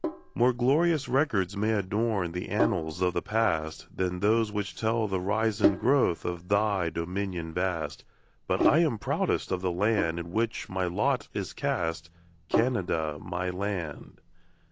More glorious records may adorn The annals of the past Than those which tell the rise and growth Of thy dominion vast; But I am proudest of the land In which my lot is cast, Canada, my land.